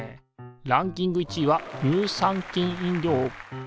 ランキング１位は乳酸菌飲料。